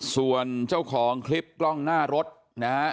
ส่วนเจ้าของคลิปกล้องหน้ารถนะฮะ